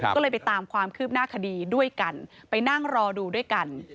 ก็เลยไปตามความคืบหน้าคดีด้วยกันไปนั่งรอดูด้วยกัน